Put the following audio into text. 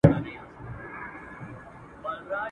نن قانون او حیا دواړه له وطنه کوچېدلي.